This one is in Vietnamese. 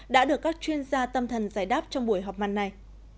đã được các chuyên gia tâm thần giải đáp trong buổi họp mặt này